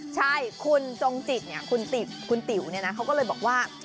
ใช่คุณจงจิตคุณติ๋วเขาก็เลยบอกว่า